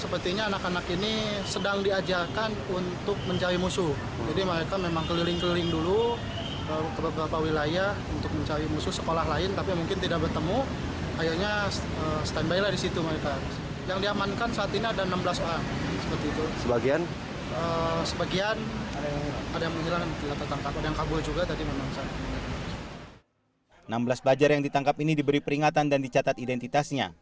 enam belas pelajar yang ditangkap ini diberi peringatan dan dicatat identitasnya